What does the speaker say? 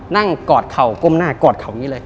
นั่งกอดเข่าก้มหน้ากอดเข่านี่เลย